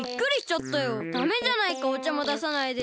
ダメじゃないかおちゃもださないで。